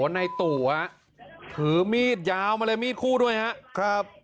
นั่นแหละครับ